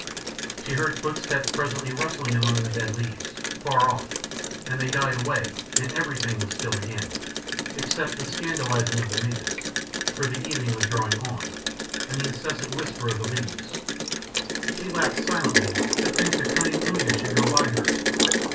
She heard footsteps presently rustling among the dead leaves, far off, and they died away and everything was still again, except the scandalising of the midges for the evening was drawing on and the incessant whisper of the leaves. She laughed silently to think the cunning Uya should go by her.